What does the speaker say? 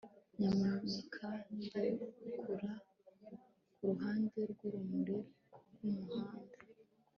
Nyamuneka ndekure kuruhande rwurumuri rwumuhanda